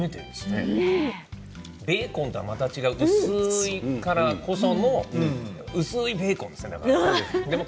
はじめベーコンとは違う薄いからこその薄いベーコンですね。